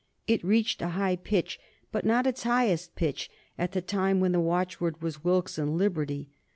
It reached a high pitch, but not its highest pitch, at the time when the watchword was Wilkes and Liberty.